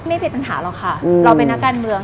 ไม่เป็นปัญหาหรอกค่ะเราเป็นนักการเมือง